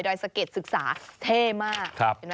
สะเก็ดศึกษาเท่มาก